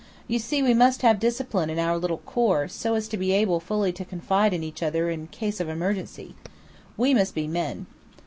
"You see we must have discipline in our little corps, so as to be able fully to confide in each other in cases of emergency. We must be men."